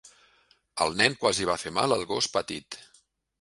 El nen quasi va fer mal al gos petit.